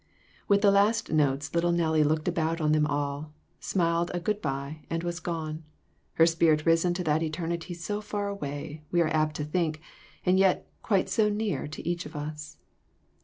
With the last notes little Nellie looked about on them all, smiled a good by, and was gone, her spirit risen to that eternity so far away, we are apt to think, and yet quite near to each one of us.